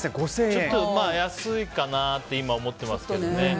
ちょっと安いかなと思ってますけどね。